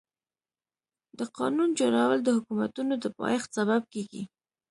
د قانون جوړول د حکومتونو د پايښت سبب کيږي.